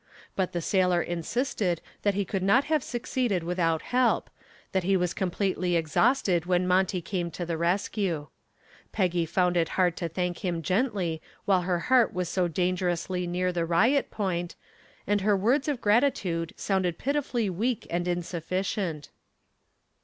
But the sailor insisted that he could not have succeeded without help, that he was completely exhausted when Monty came to the rescue. Peggy found it hard to thank him gently while her heart was so dangerously near the riot point, and her words of gratitude sounded pitifully weak and insufficient.